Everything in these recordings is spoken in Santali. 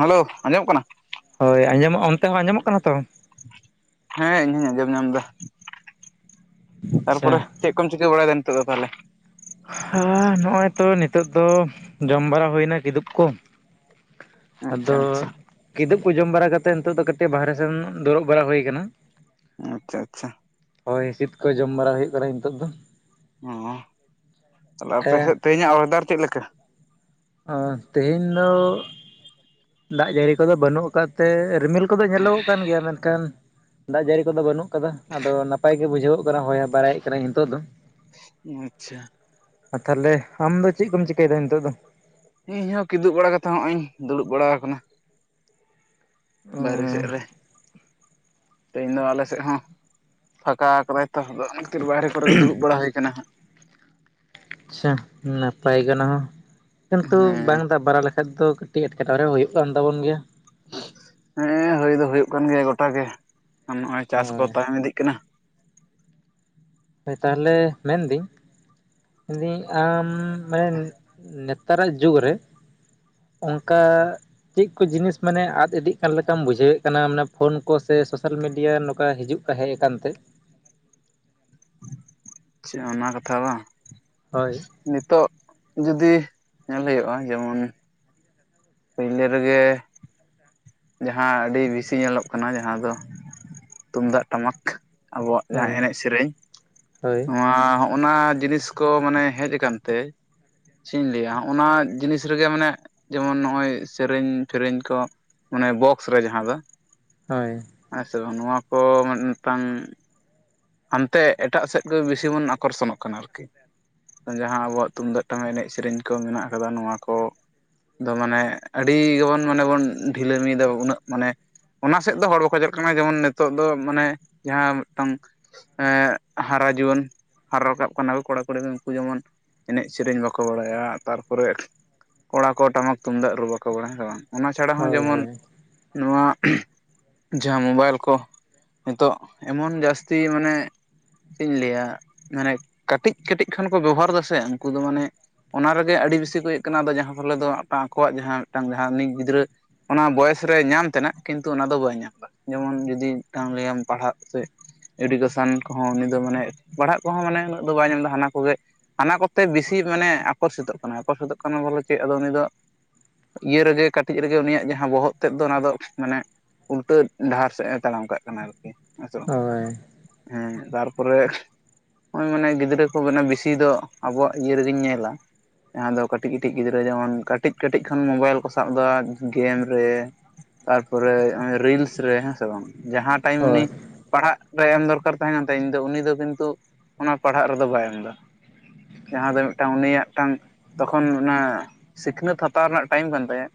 ᱦᱮᱞᱳ ᱟᱸᱡᱚᱢᱚᱜ ᱠᱟᱱᱟ ᱦᱚᱭ ᱟᱸᱡᱚᱢᱚᱜᱼᱟ ᱚᱱᱛᱮ ᱦᱚᱸ ᱟᱸᱡᱚᱢᱚᱜ ᱠᱟᱱᱟ ᱛᱚ ᱦᱮᱸ ᱤᱧᱤᱧ ᱟᱸᱡᱚᱢ ᱧᱟᱢ ᱮᱫᱟ ᱟᱪᱪᱷᱟ ᱛᱟᱨᱯᱚᱨᱮ ᱪᱮᱫ ᱪᱮᱫᱠᱚᱢ ᱪᱤᱠᱟᱹ ᱵᱟᱲᱟᱭᱮᱫᱟ ᱱᱤᱛᱚᱜ ᱫᱚ ᱛᱟᱦᱮᱞᱮ ᱦᱮᱸ ᱱᱚᱜᱼᱚᱭ ᱛᱚ ᱱᱤᱛᱳᱜ ᱫᱚ ᱡᱚᱢ ᱵᱟᱲᱟ ᱦᱩᱭᱱᱟ ᱠᱤᱫᱩᱵ ᱠᱚ ᱟᱪᱪᱷᱟ ᱟᱫᱚ ᱟᱪᱪᱷᱟ ᱠᱤᱫᱩᱵ ᱠᱚ ᱡᱚᱢ ᱵᱟᱲᱟ ᱠᱟᱛᱮᱫ ᱱᱤᱛᱚᱜ ᱫᱚ ᱠᱟᱹᱴᱤᱡ ᱵᱟᱦᱨᱮ ᱥᱮᱱ ᱫᱩᱲᱩᱵ ᱵᱟᱲᱟ ᱦᱩᱭ ᱟᱠᱟᱱᱟ ᱟᱪᱪᱷᱟ ᱟᱪᱪᱷᱟ ᱦᱚᱭ ᱦᱸᱥᱤᱫ ᱠᱚ ᱡᱚᱢ ᱵᱟᱲᱟ ᱦᱩᱭᱩᱜ ᱠᱟᱱᱟ ᱱᱤᱛᱚᱜ ᱫᱚ ᱚ ᱛᱟᱦᱞᱮ ᱟᱯᱮ ᱦᱮᱸ ᱥᱮᱫ ᱛᱮᱦᱮᱧᱟᱜ ᱚᱭᱮᱫᱟᱨ ᱪᱮᱫ ᱞᱮᱠᱟ ᱚ ᱛᱮᱦᱮᱧ ᱫᱚ ᱫᱟᱜ ᱡᱟᱹᱲᱤ ᱠᱚᱫᱚ ᱵᱟᱹᱱᱩᱜ ᱟᱠᱟᱫ ᱛᱮ ᱨᱤᱢᱤᱞ ᱠᱚᱫᱚ ᱧᱮᱞᱚ ᱜᱚᱜ ᱠᱟᱱ ᱜᱮᱭᱟ ᱢᱮᱱᱠᱷᱟᱱ ᱫᱟᱜ ᱡᱟᱹᱲᱤ ᱠᱚᱫᱚ ᱵᱟᱹᱱᱩᱜ ᱟᱠᱟᱫᱟ ᱟᱫᱚ ᱱᱟᱯᱟᱭ ᱜᱮ ᱵᱩᱡᱷᱟᱹᱣᱚᱜ ᱠᱟᱱᱟ ᱦᱳᱭ ᱵᱟᱲᱟᱭᱮᱫ ᱠᱟᱱᱟ ᱱᱤᱛᱚᱜ ᱫᱚ ᱟᱪᱷᱟ ᱟᱨ ᱛᱟᱦᱚᱞᱮ ᱟᱢ ᱫᱚ ᱪᱮᱫ ᱠᱚᱢ ᱪᱤᱠᱟᱹᱭᱮᱫᱟ ᱱᱤᱛᱚᱜ ᱫᱚ ᱤᱧᱦᱚᱸ ᱠᱤᱫᱩᱵ ᱵᱟᱲᱟ ᱠᱟᱛᱮ ᱦᱚᱸᱜᱼᱚᱭ ᱤᱧ ᱫᱩᱲᱩᱵ ᱵᱟᱲᱟ ᱟᱠᱟᱱᱟ ᱵᱟᱭᱨᱮ ᱥᱮᱫ ᱨᱮ ᱛᱮᱦᱮᱧ ᱫᱚ ᱟᱞᱮ ᱥᱮᱫ ᱦᱚᱸ ᱯᱷᱟᱠᱟ ᱠᱟᱫᱟᱭ ᱛᱟᱦᱮ ᱫᱚ ᱚᱱᱟ ᱠᱷᱟᱹᱛᱤᱨ ᱵᱟᱦᱨᱮ ᱠᱚᱨᱮ ᱜᱮ ᱫᱩᱲᱩᱵ ᱵᱟᱲᱟ ᱦᱩᱭ ᱠᱟᱱᱟ ᱦᱟᱸᱜ ᱟᱪᱪᱷᱟ ᱱᱟᱯᱟᱭ ᱜᱮ ᱚᱱᱟ ᱦᱚᱸ ᱠᱤᱱᱛᱩ ᱦᱮᱸ ᱵᱟᱝ ᱫᱟᱜ ᱵᱟᱲᱟ ᱞᱮᱠᱷᱟᱡ ᱫᱚ ᱴᱤᱜ ᱮᱴᱠᱮᱴᱚᱬᱮ ᱦᱩᱭᱩᱜ ᱠᱟᱱ ᱛᱟᱵᱚᱱ ᱜᱮᱭᱟ ᱦᱮᱸ ᱦᱩᱭ ᱫᱚ ᱦᱩᱭᱩᱜ ᱠᱟᱱ ᱜᱮᱭᱟ ᱜᱚᱴᱟ ᱜᱮ ᱟᱨ ᱱᱚᱜᱼᱚᱭ ᱪᱟᱥ ᱠᱚ ᱦᱳᱭ ᱛᱟᱭᱚᱢ ᱤᱫᱤᱜ ᱠᱟᱱᱟ ᱦᱳᱭ ᱛᱟᱦᱚᱞᱮ ᱢᱮᱱ ᱫᱤᱧ ᱟᱢ ᱢᱟᱱᱮ ᱱᱮᱛᱼᱼ ᱱᱮᱛᱟᱨᱟᱜ ᱡᱩᱜᱽ ᱨᱮ ᱚᱱᱠᱟ ᱪᱮᱫ ᱠᱚ ᱡᱤᱱᱤᱥ ᱢᱟᱱᱮ ᱟᱫ ᱤᱫᱤᱜ ᱠᱟᱱ ᱞᱮᱠᱟᱢ ᱵᱩᱡᱷᱟᱹᱣᱮᱫ ᱠᱟᱱᱟ ᱢᱟᱱᱮ ᱯᱷᱳᱱ ᱠᱚ ᱥᱮ ᱥᱳᱥᱟᱞ ᱢᱤᱰᱤᱭᱟ ᱱᱚᱝᱠᱟ ᱦᱤᱡᱩᱜ? ᱦᱮᱡ ᱟᱠᱟᱱ ᱛᱮ ᱪᱮᱫ ᱚᱱᱟ ᱠᱟᱛᱷᱟ ᱵᱟᱝ ᱦᱳᱭ ᱱᱤᱛᱚᱜ ᱡᱩᱫᱤ ᱧᱮᱞ ᱦᱩᱭᱩᱜᱼᱟ ᱡᱮᱢᱚᱱ ᱯᱳᱭᱞᱟᱹ ᱨᱮᱜᱮ ᱡᱟᱦᱟᱸ ᱟᱹᱰᱤ ᱵᱤᱥᱤ ᱧᱮᱞᱚᱜ ᱠᱟᱱᱟ ᱡᱟᱦᱟᱸ ᱫᱚ ᱛᱩᱢᱫᱟᱜ ᱴᱟᱢᱟᱠ ᱟᱵᱚᱣᱟᱜ ᱡᱟᱦᱟᱸ ᱦᱳᱭ ᱮᱱᱮᱡ ᱥᱮᱨᱮᱧ ᱦᱳᱭ ᱱᱚᱣᱟ ᱦᱚᱸ ᱚᱱᱟ ᱡᱤᱱᱤᱥ ᱠᱚ ᱢᱟᱱᱮ ᱦᱮᱡ ᱟᱠᱟᱱᱛᱮ ᱪᱮᱫ ᱤᱧ ᱞᱟᱹᱭᱟ ᱚᱱᱟ ᱡᱤᱱᱤᱥ ᱨᱮᱜᱮ ᱢᱟᱱᱮ ᱡᱮᱢᱚᱱ ᱱᱚᱜᱼᱚᱭ ᱥᱮᱨᱮᱧ ᱥᱮᱨᱮᱧ ᱠᱚ ᱚᱱᱮ ᱵᱚᱠᱥ ᱨᱮ ᱡᱟᱦᱟᱸ ᱫᱚ ᱦᱳᱭ ᱦᱮᱸ ᱥᱮ ᱵᱟᱝ ᱱᱚᱣᱟ ᱠᱚ ᱢᱤᱫ ᱢᱤᱫ ᱴᱟᱝ ᱦᱟᱱᱛᱮ ᱮᱴᱟᱜ ᱥᱮᱫ ᱜᱮ ᱵᱤᱥᱤ ᱵᱚᱱ ᱟᱠᱚᱨᱥᱚᱱᱚᱜ ᱠᱟᱱᱟ ᱟᱨᱠᱤ ᱡᱟᱦᱟᱸ ᱟᱵᱚᱣᱟᱜ ᱛᱩᱢᱫᱟᱜ ᱴᱟᱢᱟᱠ ᱮᱱᱮᱡ ᱥᱮᱨᱮᱧ ᱠᱚ ᱢᱮᱱᱟᱜ ᱟᱠᱟᱫᱟ ᱱᱚᱣᱟ ᱠᱚ ᱫᱚ ᱢᱟᱱᱮ ᱟᱹᱰᱤ ᱜᱮᱵᱚᱱ ᱢᱟᱱᱮ ᱵᱚᱱ ᱰᱷᱤᱞᱟᱹᱢᱤᱭᱮᱫᱟ ᱩᱱᱟᱹᱜ ᱢᱟᱱᱮ ᱚᱱᱟ ᱥᱮᱫ ᱫᱚ ᱦᱚᱲ ᱵᱟᱠᱚ ᱪᱟᱞᱟᱜ ᱠᱟᱱᱟ ᱡᱮᱢᱚᱱ ᱱᱤᱛᱚᱜ ᱫᱚ ᱢᱟᱱᱮ ᱡᱟᱦᱟᱸ ᱢᱤᱫᱴᱟᱝ ᱮᱸᱜ ᱦᱟᱨᱟ ᱡᱩᱣᱟᱹᱱ ᱦᱟᱨᱟ ᱨᱟᱠᱟᱵ ᱠᱟᱱᱟ ᱠᱚ ᱠᱚᱲᱟ ᱠᱩᱲᱤ ᱫᱚ ᱩᱱᱠᱩ ᱡᱮᱢᱚᱱ ᱮᱱᱮᱡ ᱥᱮᱨᱮᱧ ᱵᱟᱠᱚ ᱵᱟᱲᱟᱭᱟ ᱛᱟᱨᱯᱚᱨᱮ ᱠᱚᱲᱟ ᱠᱚ ᱴᱟᱢᱟᱠ ᱛᱩᱢᱫᱟᱜ ᱨᱩ ᱵᱟᱠᱚ ᱵᱟᱲᱟᱭᱟ ᱦᱮᱸ ᱥᱮ ᱵᱟᱝ ᱚᱱᱟ ᱪᱷᱟᱲᱟ ᱦᱚᱸ ᱦᱳᱭ ᱦᱳᱭ ᱡᱮᱢᱚᱱ ᱱᱚᱣᱟ ᱡᱟᱦᱟᱸ ᱢᱳᱵᱟᱭᱤᱞ ᱠᱚ ᱱᱤᱛᱚᱜ ᱮᱢᱚᱱ ᱡᱟᱹᱥᱛᱤ ᱛᱤ ᱢᱟᱱᱮ ᱪᱮᱫ ᱤᱧ ᱞᱟᱹᱭᱟ ᱢᱟᱱᱮ ᱠᱟᱹᱴᱤᱡ ᱠᱟᱹᱴᱤᱡ ᱠᱷᱚᱱ ᱠᱚ ᱵᱮᱵᱚᱦᱟᱨ ᱮᱫᱟ ᱥᱮ ᱩᱱᱠᱩ ᱫᱚ ᱢᱟᱱᱮ ᱚᱱᱟ ᱨᱮᱜᱮ ᱟᱹᱰᱤ ᱵᱮᱥᱤ ᱠᱚ ᱤᱭᱟ. ᱜ ᱠᱟᱱᱟ ᱟᱨ ᱡᱟᱦᱟᱸ ᱯᱷᱚᱞᱮ ᱫᱚ ᱢᱤᱫ ᱴᱟᱝ ᱟᱠᱚᱣᱟᱜ ᱡᱟᱦᱟᱸ ᱢᱤᱫᱴᱟᱝ ᱡᱟᱦᱟᱸ ᱱᱤᱡ ᱜᱤᱫᱽᱨᱟᱹ ᱚᱱᱟ ᱵᱚᱭᱚᱥ ᱨᱮ ᱧᱟᱢ ᱛᱮᱱᱟᱜ ᱠᱤᱱᱛᱩ ᱚᱱᱟ ᱫᱚ ᱵᱟᱭ ᱧᱟᱢ ᱮᱫᱟ ᱡᱮᱢᱚᱱ ᱡᱩᱫᱤ ᱢᱤᱫ ᱴᱟᱝ ᱞᱟ. ᱭ-ᱟᱢ ᱯᱟᱲᱦᱟᱜ ᱥᱮᱫ ᱮᱰᱩᱠᱮᱥᱚᱱ ᱠᱚᱦᱚᱸ ᱩᱱᱤ ᱫᱚ ᱢᱟᱱᱮ ᱯᱟᱲᱦᱟᱜ ᱠᱚᱦᱚᱸ ᱢᱟᱱᱮ ᱩᱱᱟᱹᱜ ᱫᱚ ᱵᱟᱭ ᱧᱟᱢ ᱮᱫᱟ ᱦᱟᱱᱟ ᱠᱚᱜᱮ ᱦᱟᱱᱟ ᱠᱚ ᱩᱚᱛᱮ ᱵᱤᱥᱤ ᱢᱟᱱᱮ ᱟᱠᱚᱨᱥᱤᱛᱚᱜ ᱠᱟᱱᱟᱭ ᱟᱠᱚᱨᱥᱤᱛᱚᱜ ᱠᱟᱱᱟ ᱵᱚᱞᱮ ᱪᱮᱫ ᱟᱫᱚ ᱩᱱᱤ ᱫᱚ ᱤᱭᱟᱹ ᱨᱮᱜᱮ ᱠᱟᱹᱴᱤᱡ ᱨᱮᱜᱮ ᱩᱱᱤᱭᱟᱜ ᱡᱟᱦᱟᱸ ᱵᱚᱦᱚᱜ ᱛᱮᱫ ᱫᱚ ᱚᱱᱟ ᱫᱚ ᱢᱟᱱᱮ ᱩᱞᱴᱟᱹ ᱰᱟᱦᱟᱨ ᱥᱮᱫ ᱮ ᱛᱟᱲᱟᱢ ᱠᱟᱜ ᱠᱟᱱᱟ ᱟᱨᱠᱤ ᱵᱟᱝ ᱦᱳᱭ ᱦᱮᱸ ᱛᱟᱨᱯᱚᱨᱮ ᱱᱚᱜᱚᱭ ᱢᱟᱱᱮ ᱜᱤᱫᱽᱨᱟᱹ ᱠᱚ ᱢᱟᱱᱮ ᱵᱮᱥᱤ ᱫᱚ ᱟᱵᱚᱣᱟᱜ ᱤᱭᱟᱹ ᱨᱮᱜᱮᱧ ᱧᱮᱞᱟ ᱡᱟᱦᱟᱸ ᱫᱚ ᱠᱟᱹᱴᱤᱡ ᱠᱟᱹᱴᱤᱡ ᱜᱤᱫᱽᱨᱟᱹ ᱡᱮᱢᱚᱱ ᱠᱟᱹᱴᱤᱡ ᱠᱟᱹᱴᱤᱡ ᱠᱷᱚᱱ ᱢᱳᱵᱟᱭᱤᱞ ᱠᱚ ᱥᱟᱵ ᱮᱫᱟ ᱜᱮᱢ ᱨᱮ ᱛᱟᱨᱯᱚᱨᱮ ᱨᱤᱞᱥ ᱨᱮ ᱦᱮᱸ ᱥᱮ ᱵᱟᱝ ᱡᱟᱦᱟᱸ ᱴᱟᱭᱤᱢ ᱦᱳᱭ ᱩᱱᱤ ᱯᱟᱲᱦᱟᱜᱼᱼ ᱨᱮ ᱮᱢ ᱫᱚᱨᱠᱟᱨ ᱛᱟᱦᱮᱸ ᱠᱟᱱ ᱛᱟᱭᱟ ᱩᱧ ᱫᱚ ᱩᱱᱤ ᱠᱤᱱᱛᱩ ᱚᱱᱟ ᱯᱟᱲᱦᱟᱜ ᱨᱮᱫᱚ ᱵᱟᱭ ᱮᱢ ᱮᱫᱟ ᱡᱟᱦᱟᱸ ᱫᱚ ᱢᱤᱫ ᱴᱟᱝ ᱩᱱᱤᱭᱟᱜ ᱢᱤᱫ ᱴᱟᱝ ᱛᱚᱠᱷᱚᱱ ᱚᱱᱟ ᱥᱤᱠᱷᱱᱟᱹᱛ ᱦᱟᱛᱟᱣ ᱨᱮᱱᱟᱜ ᱴᱟᱭᱤᱢ ᱠᱟᱱ ᱛᱟᱭᱟ